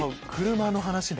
車の話ね。